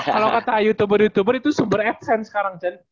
kalau kata youtuber youtuber itu sumber absen sekarang cen